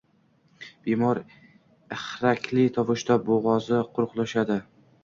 Bemor ihrakli tovushda bo‘g‘zi quruqshadi.